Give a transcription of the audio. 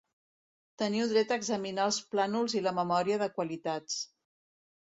Teniu dret a examinar els plànols i la memòria de qualitats.